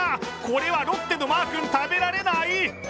これはロッテのマーくん、食べられない。